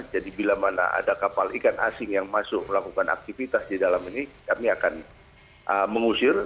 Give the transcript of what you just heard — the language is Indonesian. jadi bila mana ada kapal ikan asing yang masuk melakukan aktivitas di dalam ini kami akan mengusir